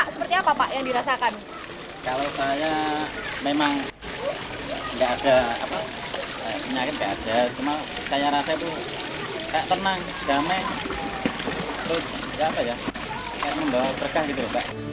saya rasa itu tenang damai terkata ya kayak membawa berkah gitu